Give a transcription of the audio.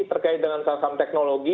terkait dengan saham teknologi